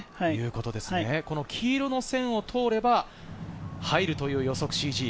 黄色の線を通れば、入るという予測ＣＧ。